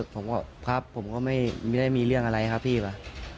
ผมก็ครับผมก็ไม่ได้มีเรื่องอะไรครับพี่ว่ะ